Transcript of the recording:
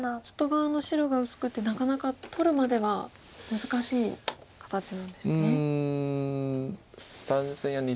外側の白が薄くてなかなか取るまでは難しい形なんですね。